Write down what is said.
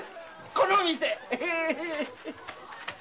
この店。